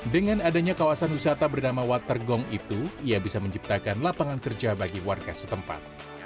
dengan adanya kawasan wisata bernama water gong itu ia bisa menciptakan lapangan kerja bagi warga setempat